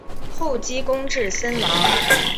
后积功至森王。